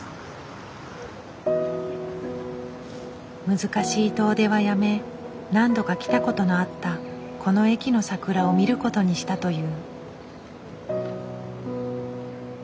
難しい遠出はやめ何度か来たことのあったこの駅の桜を見ることにしたという。